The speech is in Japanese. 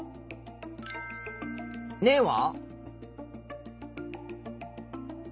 根は？